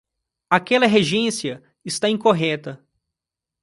Aquela regência está incorreta